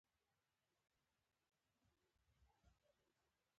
د روان کال د جون په میاشت کې